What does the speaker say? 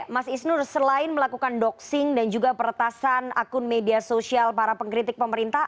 mas isnur selain melakukan doxing dan juga peretasan akun media sosial para pengkritik pemerintah